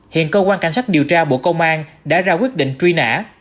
hiện cơ quan cảnh sát điều tra bộ công an đã ra quyết định truy nã